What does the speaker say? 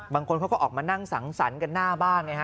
บางคนเขาก็ออกมานั่งสังสรรค์กันหน้าบ้านไงฮ